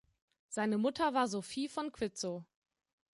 Seine Mutter war Sophie von Quitzow.